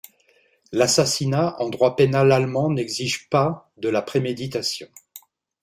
L’assassinat en droit pénal allemand n'exige pas de la préméditation.